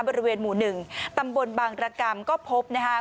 บริเวณหมู่๑ตำบลบางรกรรมก็พบนะฮะ